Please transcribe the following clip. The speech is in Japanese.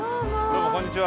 どうもこんにちは。